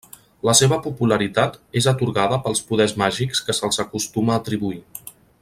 La seva popularitat és atorgada pels poders màgics que se'ls acostuma a atribuir.